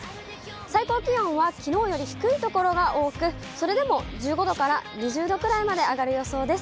最高気温はきのうより低い所が多く、それでも１５度から２０度くらいまで上がる予想です。